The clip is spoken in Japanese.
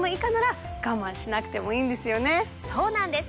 そうなんです！